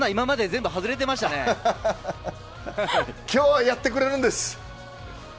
じゃあ今日はやってくれるんです。